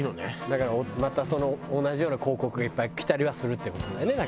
だからまた同じような広告がいっぱいきたりはするって事だよねだからね。